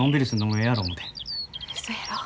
うそやろ。